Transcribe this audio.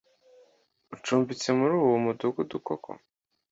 ucumbitse muri uwo mudugudu koko